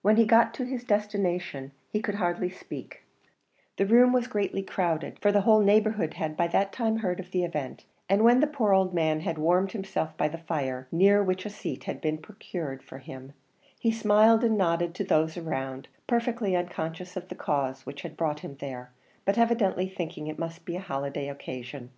When he got to his destination he could hardly speak; the room was greatly crowded, for the whole neighbourhood had by that time heard of the event; and when the poor old man had warmed himself by the fire, near which a seat had been procured for him, he smiled and nodded to those around, perfectly unconscious of the cause which had brought him there, but evidently thinking it must be holiday occasion.